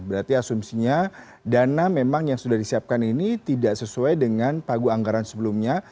berarti asumsinya dana memang yang sudah disiapkan ini tidak sesuai dengan pagu anggaran sebelumnya